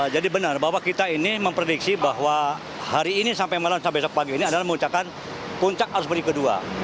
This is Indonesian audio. jadi benar bahwa kita ini memprediksi bahwa hari ini sampai malam sampai besok pagi ini adalah puncakan puncak arus mudik kedua